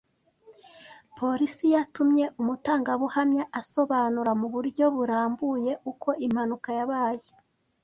Polisi yatumye umutangabuhamya asobanura mu buryo burambuye uko impanuka yabaye.